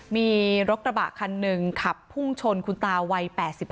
มีรถกระบะคันหนึ่งขับพุ่งชนคุณตาวัย๘๕